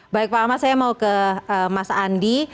baik pak ahmad saya mau ke mas andi